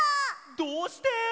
どうして！？